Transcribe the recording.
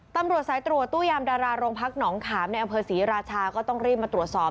ตำรวจสายตรวจตู้ยามดาราโรงพักหนองขามในอำเภอศรีราชาก็ต้องรีบมาตรวจสอบ